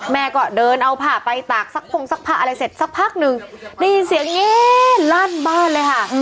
แม่ก็เดินเอาผ้าไปตากซักพงซักผ้าอะไรเสร็จสักพักหนึ่งได้ยินเสียงเง๊ั่นบ้านเลยค่ะ